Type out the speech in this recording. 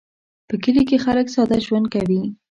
په کلي کې خلک ساده ژوند کوي